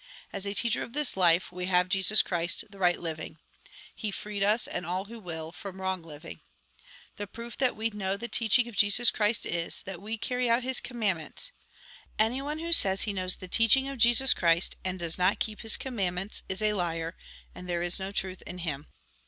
As a teacher of this life, we have Jesus Christ, the right living. He freed us and all who will, from wrong living. The proof that we know the teaching of Jesus l62 THE GOSPEL TN BRIEF Christ is, that we cany out his commaudments. Anyone who says he knows the teaching of Jesus Christ, and does not keep his connnandnients, is a liar, and there is no truth in him.